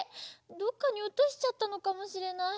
どっかにおとしちゃったのかもしれない。